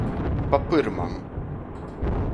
Pa pyrmam.